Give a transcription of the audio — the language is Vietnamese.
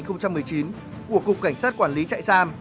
của cục cảnh sát quản lý trại sam